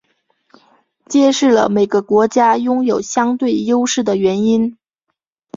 揭示了每个国家拥有相对优势的原因。